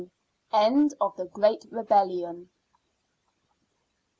END OF THE GREAT REBELLION.